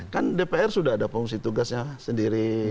kan dpr sudah ada fungsi tugasnya sendiri